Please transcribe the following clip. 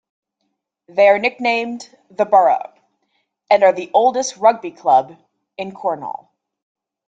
They are nicknamed "The Borough" and are the oldest rugby club in Corwnall.